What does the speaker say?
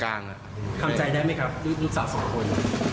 ทำใจได้ไหมครับที่ลูกสาวสองคน